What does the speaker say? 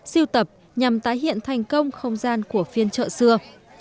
siêu tập nhằm tái hiện thành công không gian của phiên chợ xưa